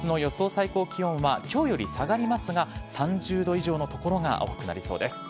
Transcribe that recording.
最高気温は、きょうより下がりますが、３０度以上の所が多くなりそうです。